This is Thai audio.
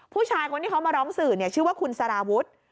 ผู้ชายคนที่เขามาร้องสื่อชื่อว่าคุณสารวุฒิ